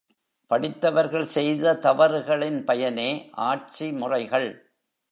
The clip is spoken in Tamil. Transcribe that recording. படித்தவர்கள் செய்த தவறுகளின் பயனே ஆட்சிமுறைகள்.